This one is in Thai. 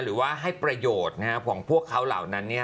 หรือว่าให้ประโยชน์ของพวกเขาเหล่านั้น